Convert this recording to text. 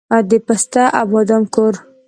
د پسته او بادام کور.